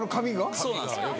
そうなんですよ。